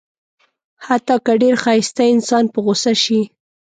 حتی که ډېر ښایسته انسان په غوسه شي.